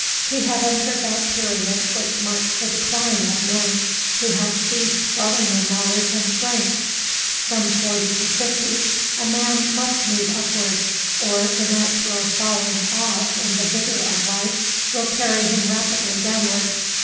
He had entered that period which marks the decline of men who have ceased growing in knowledge and strength: from forty to fifty a man must move upward, or the natural falling off in the vigor of life will carry him rapidly downward.